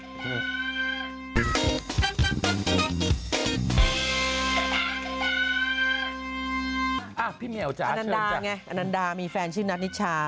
พี่แม่เอาจ้ะเชิญจ้ะอันนันดาไงอันนันดามีแฟนชื่อนัทนิชชา